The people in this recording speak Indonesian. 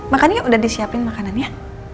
makan ya udah disiapin makanannya